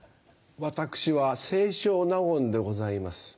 私は清少納言でございます。